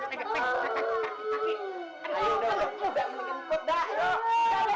sampai jumpa keivable